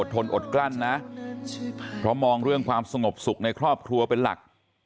ทนอดกลั้นนะเพราะมองเรื่องความสงบสุขในครอบครัวเป็นหลัก